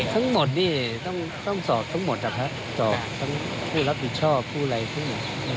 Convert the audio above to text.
ทั้งหมดนี่ต้องสอบทั้งหมดนะครับสอบทั้งผู้รับผิดชอบผู้อะไรผู้